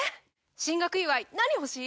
進学祝い何欲しい？